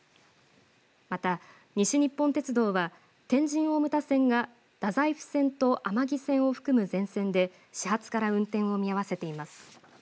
また西日本鉄道は天神大牟田線が太宰府線と甘木線を含む全線で始発から運転を見合わせています。